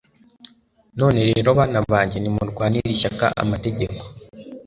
none rero bana banjye, nimurwanire ishyaka amategeko